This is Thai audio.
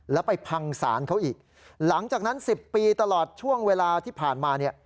แล้วไปพังศาลเขาอีกหลังจากนั้น๑๐ปีตลอดช่วงเวลาที่ผ่านมาเนี่ย